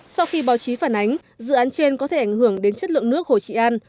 sau khi báo chí phản ánh dự án trên có thể ảnh hưởng đến chất lượng nước hồ trị an